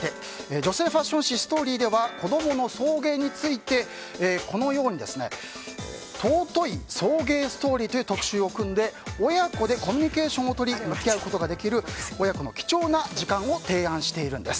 女性ファッション誌「ＳＴＯＲＹ」では子供の送迎について「“尊い”送迎ＳＴＯＲＹ」という特集を組んで親子でコミュニケーションをとり向き合うことができる親子の貴重な時間を提案しているんです。